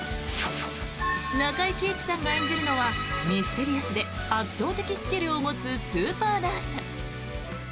中井貴一さんが演じるのはミステリアスで圧倒的スキルを持つスーパーナース。